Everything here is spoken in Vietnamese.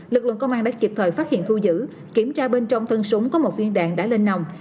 lực lượng công an đã kịp thời phát hiện thu giữ kiểm tra bên trong thân súng có một viên đạn đã lên nòng